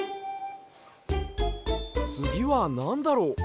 つぎはなんだろう？